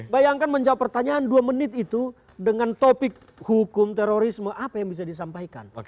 bayangkan menjawab pertanyaan dua menit itu dengan topik hukum terorisme apa yang bisa disampaikan